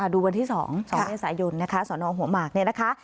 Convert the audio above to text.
ดูวันที่๒สองเวลาสายนสนองหัวหมากนี่นะคะ